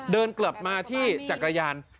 เดินกลับมาที่จักรยาน